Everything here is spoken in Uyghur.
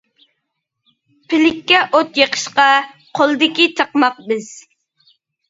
پىلىككە ئوت يېقىشقا، قولىدىكى چاقماق بىز.